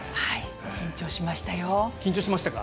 緊張しましたか。